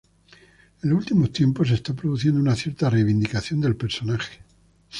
En los últimos tiempos se está produciendo una cierta reivindicación del personaje.